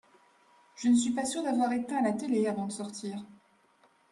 Je ne suis pas sûr d’avoir éteint la télé avant de sortir.